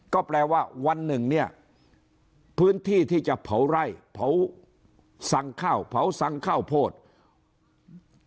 ก็แปลว่าวันหนึ่งเนี่ยพื้นที่ที่จะเผาไร่เผาสั่งข้าวเผาสั่งข้าวโพด